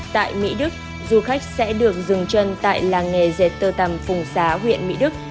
tại mỹ đức du khách sẽ được dừng chân tại làng nghề dệt tơ tầm phùng xá huyện mỹ đức